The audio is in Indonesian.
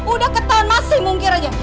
udah ketahuan masih mungkir aja